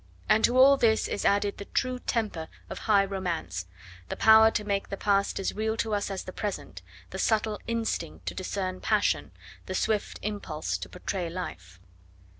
And to all this is added the true temper of high romance, the power to make the past as real to us as the present, the subtle instinct to discern passion, the swift impulse to portray life.